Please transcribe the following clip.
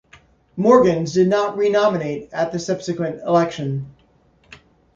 Morgans did not re-nominate at the subsequent election.